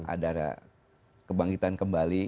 ada kebangkitan kembali